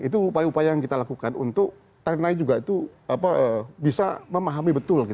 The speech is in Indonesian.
itu upaya upaya yang kita lakukan untuk tarunanya juga bisa memahami betul